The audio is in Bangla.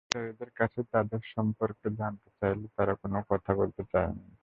কর্মচারীদের কাছে তাঁদের সম্পর্কে জানতে চাইলে তাঁরা কোনো কথা বলতে চাননি।